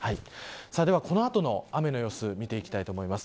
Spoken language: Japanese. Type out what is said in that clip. このあとの雨の様子を見ていきたいと思います。